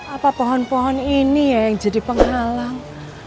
apa pohon pohon ini ya yang jadi penghalang